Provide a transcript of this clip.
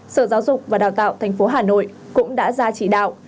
sở giáo dục và đào tạo tp hà nội cũng đã ra chỉ đạo